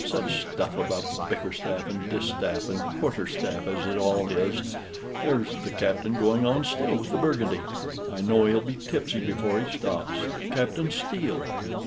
"Such stuff about Bickerstaffe, and Distaff, and Quarterstaff, as it all is! There's the Captain going on still with the Burgundy I know he'll be tipsy before he stops Captain Steele!"